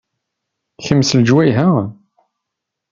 Kemm seg lejwayeh-a?